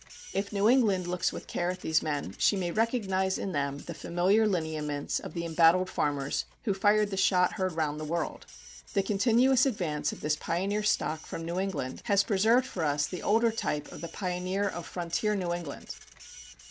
If New England looks with care at these men, she may recognize in them the familiar lineaments of the embattled farmers who fired the shot heard round the world. The continuous advance of this pioneer stock from New England has preserved for us the older type of the pioneer of frontier New England.